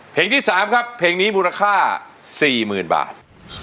เพลงที่สามครับเพลงนี้มูลค่าสี่หมื่นบาท